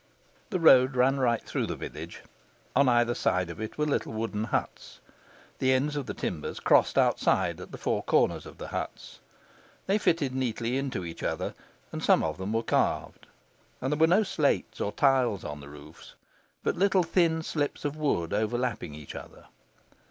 The road ran right through the village. On either side of it were little wooden huts. The ends of the timbers crossed outside at the four corners of the huts. They fitted neatly into each other, and some of them were carved. And there were no slates or tiles on the roofs, but little thin slips of wood overlapping each other.